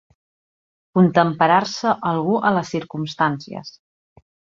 Contemperar-se algú a les circumstàncies.